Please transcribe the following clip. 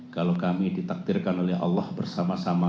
kalau kami ditakdirkan oleh allah bersama sama